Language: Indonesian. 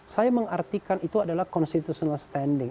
saya mengartikan itu adalah constitutional standing